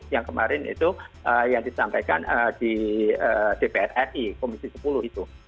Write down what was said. yang kemarin itu yang disampaikan di dpr ri komisi sepuluh itu